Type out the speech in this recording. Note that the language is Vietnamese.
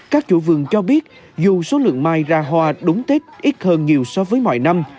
các chủ vườn cho biết dù số lượng mai ra hoa đúng tết ít hơn nhiều so với mọi năm